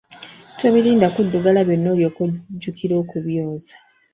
Tobirinda kuddugala byonna olyoke ojjukire okubyoza.